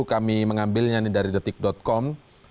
kami mengambilnya dari detik com